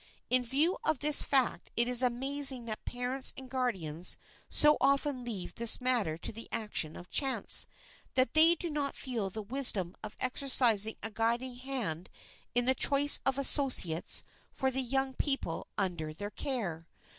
In view of this fact it is amazing that parents and guardians so often leave this matter to the action of chance, that they do not feel the wisdom of exercising a guiding hand in the choice of associates for the young people under their care.